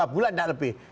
dua bulan tidak lebih